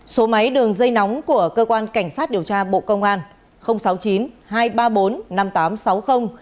số máy đường dây nóng của cơ quan cảnh sát điều tra bộ công an